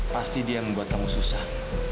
pasti dia yang membuat kamu susah